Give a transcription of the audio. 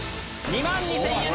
２万２０００円。